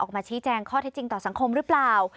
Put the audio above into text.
ออกมาชี้แจงข้อเท็จจริงต่อสังคมหรือเปล่า